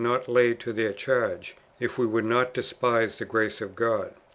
not lay to tlieir charge, if we would not despise tlie grace of God.